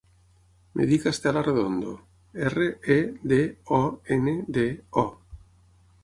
Em dic Estela Redondo: erra, e, de, o, ena, de, o.